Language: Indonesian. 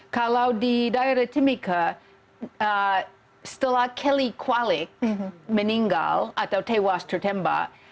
kalau di daerah timika setelah kelly kualik meninggal atau tewas tertembak